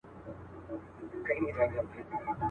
دوه یاران سره ملګري له کلونو.